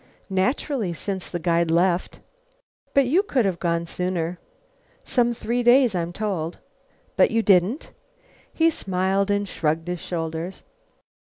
"Naturally, since the guide left." "But you could have gone sooner?" "Some three days, I'm told." "But you didn't?" He smiled and shrugged his shoulders.